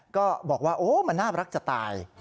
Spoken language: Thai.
ก็บอกว่าโอ้มันน่ารักจะตาย